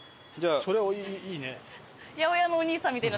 それいいね。